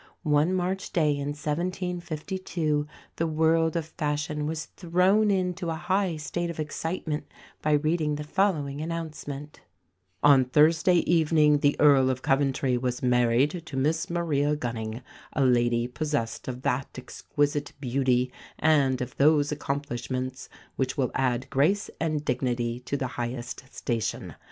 One March day in 1752, the world of fashion was thrown into a high state of excitement by reading the following announcement: "On Thursday evening the Earl of Coventry was married to Miss Maria Gunning, a lady possessed of that exquisite beauty and of those accomplishments which will add Grace and Dignity to the highest station.